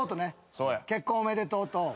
「結婚おめでとう」と。